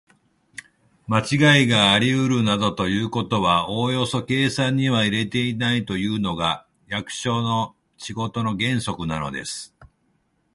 まちがいがありうるなどということはおよそ計算には入れないというのが、役所の仕事の原則なのです。